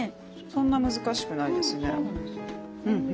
そんな難しくないですね。